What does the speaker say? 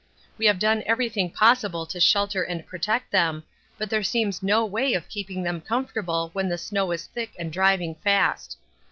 We have done everything possible to shelter and protect them, but there seems no way of keeping them comfortable when the snow is thick and driving fast.